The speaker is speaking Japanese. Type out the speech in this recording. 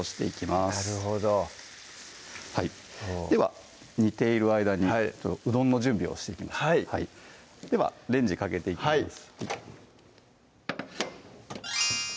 なるほどでは煮ている間にうどんの準備をしていきますではレンジかけていきます